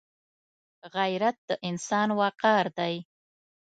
غیرت د انسان وقار دی